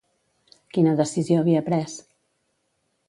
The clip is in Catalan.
Quina decisió havia pres?